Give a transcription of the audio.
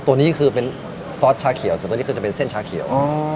ตัวนี้คือเป็นซอสชาเขียวส่วนตัวนี้คือจะเป็นเส้นชาเขียว